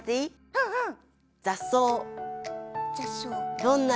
うんうん！